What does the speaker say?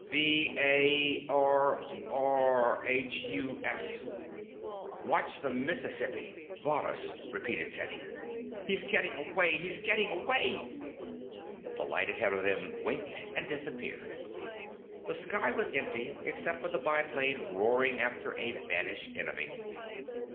V a r r h u s." "Watch the Mississippi, Varrhus," repeated Teddy. "He's getting away! He's getting away!" The light ahead of them winked and disappeared. The sky was empty except for the biplane roaring after a vanished enemy.